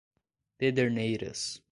Pederneiras